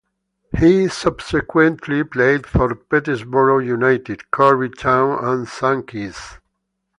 He subsequently played for Peterborough United, Corby Town and Sankey's.